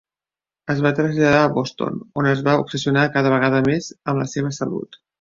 Es va traslladar a Boston, on es va obsessionar cada vegada més amb la seva salut.